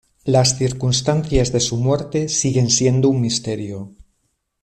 Las circunstancias de su muerte siguen siendo un misterio.